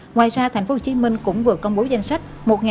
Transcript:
ngoài ra tp hcm cũng vừa công bố danh sách